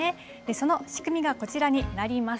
その仕組みがこちらになります。